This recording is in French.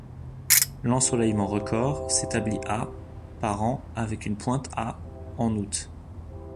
L’ensoleillement record s’établit à par an avec une pointe à en août.